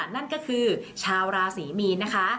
นั่นก็คือชาวราศรีมีนนะคะ